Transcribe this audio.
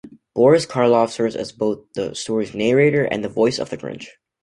Boris Karloff serves as both the story's narrator and the voice of the Grinch.